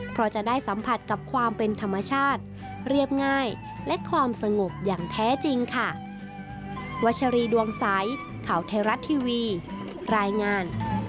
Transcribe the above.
เพราะจะได้สัมผัสกับความเป็นธรรมชาติเรียบง่ายและความสงบอย่างแท้จริงค่ะ